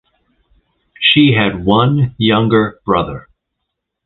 She had one younger brother.